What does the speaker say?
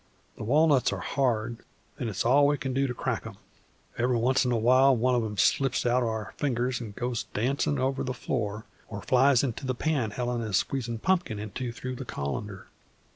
The walnuts are hard, and it's all we can do to crack 'em. Ev'ry once 'n a while one on 'em slips outer our fingers an' goes dancin' over the floor or flies into the pan Helen is squeezin' pumpkin into through the col'nder.